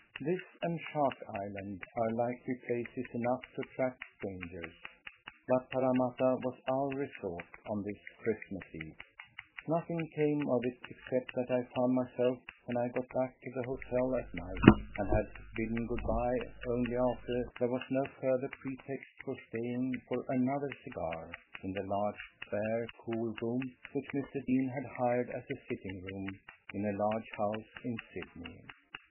This, and Shark Island, are likely places enough to attract strangers, but Parramatta was our resort on this Christmas Eve. Nothing came of it, except that I found myself when I got back to the hotel at night, and had bidden good bye only after there was no further pretext for staying for "another cigar," in the large, bare, cool room which Mr. Deane had hired as a sitting room in a large house in Sydney.